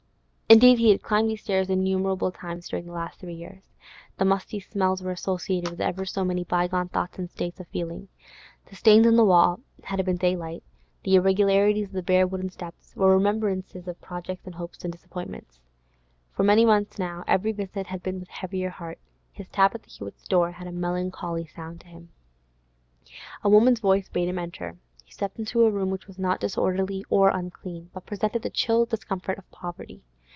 Indeed he had climbed these stairs innumerable times during the last three years; the musty smells were associated with ever so many bygone thoughts and states of feeling; the stains on the wall (had it been daylight), the irregularities of the bare wooden steps, were remembrancers of projects and hopes and disappointments. For many months now every visit had been with heavier heart; his tap at the Hewetts' door had a melancholy sound to him. A woman's voice bade him enter. He stepped into a room which was not disorderly or unclean, but presented the chill discomfort of poverty.